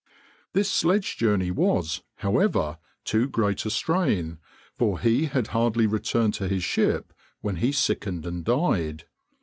This sledge journey was, however, too great a strain, for he had hardly returned to his ship when he sickened and died.